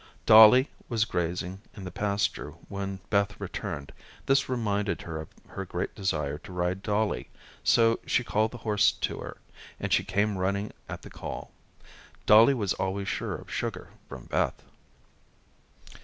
Dollie was grazing in the pasture when Beth returned. This reminded her of her great desire to ride Dollie, so she called the horse to her, and she came running at the call. Dollie was always sure of sugar from Beth.